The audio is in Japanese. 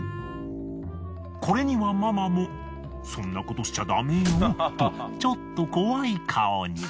これにはママもそんなことしちゃだめよとちょっと怖い顔に。